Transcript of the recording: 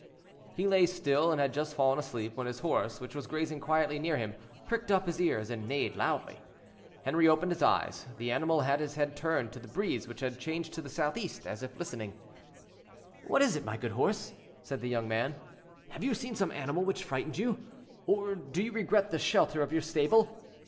He lay still, and had just fallen asleep, when his horse, which was grazing quietly near him, pricked up his ears and neighed loudly. Henri opened his eyes. The animal had his head turned to the breeze, which had changed to the southeast, as if listening. "What is it, my good horse?" said the young man; "have you seen some animal which frightened you, or do you regret the shelter of your stable?"